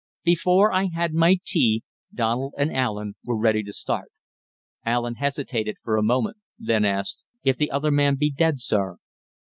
Before I had my tea, Donald and Allen were ready to start. Allen hesitated for a moment; then asked: "If the other man be dead, sir?"